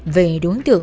về đối tượng